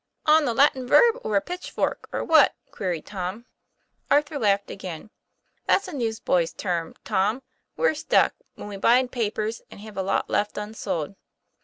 ;< On the Latin verb or a pitchfork, or what ?" queried Tom. Arthur laughed again. " That's a newsboy's term, Tom: we're 'stuck' when we buy papers and have a lot left unsold."